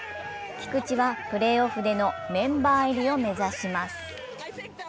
菊池はプレーオフでのメンバー入りを目指します。